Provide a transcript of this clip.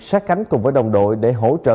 sát cánh cùng với đồng đội để hỗ trợ